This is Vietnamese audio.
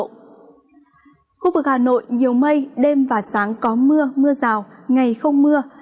khu vực hà nội nhiều mây đêm và sáng có mưa mưa rào ngày không mưa